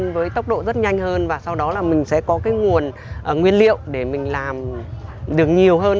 với tốc độ rất nhanh hơn và sau đó là mình sẽ có cái nguồn nguyên liệu để mình làm đường nhiều hơn